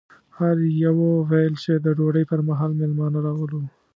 هر یوه ویل چې د ډوډۍ پر مهال مېلمانه راولو.